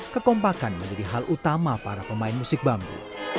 kekompakan menjadi hal utama para pemain musik bambu